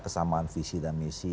kesamaan visi dan misi